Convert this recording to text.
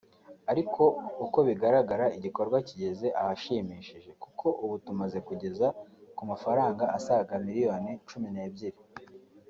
ariko uko bigaragara igikorwa kigeze ahashimishije kuko ubu tumaze kugeza ku mafaranga asaga miliyoni cumi nebyiri